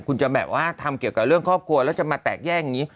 คุณจะแบบว่าทำเกี่ยวกับเรื่องครอบครัวแล้วจะมาแตกแยกอย่างนี้